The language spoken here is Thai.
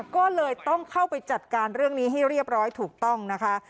ก็เลยต้องเข้าไปจัดการเรื่องนี้ให้เรียบร้อยถูกต้องนะคะ